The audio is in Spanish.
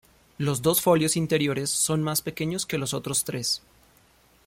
Los dos foliolos inferiores son más pequeños que los otros tres.